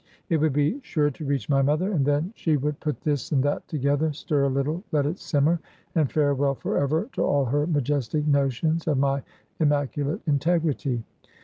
It would be sure to reach my mother, and then she would put this and that together stir a little let it simmer and farewell forever to all her majestic notions of my immaculate integrity.